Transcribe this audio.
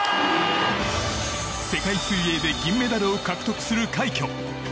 世界水泳で銀メダルを獲得する快挙！